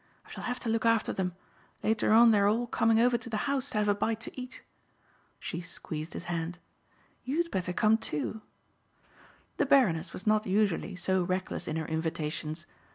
I shall have to look after them. Later on they are all coming over to the house to have a bite to eat." She squeezed his hand. "You'd better come, too." The Baroness was not usually so reckless in her invitations.